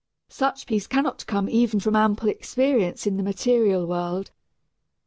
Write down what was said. Such peace cannot come even from ample experience in the material world.